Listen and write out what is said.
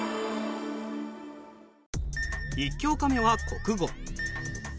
１教科目は国語。